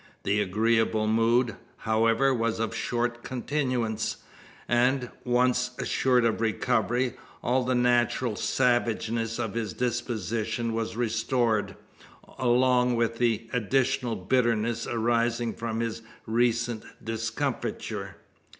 The agreeable mood, however, was of short continuance; and, once assured of recovery, all the natural savageness of his disposition was restored, along with the additional bitterness arising from his recent discomfiture.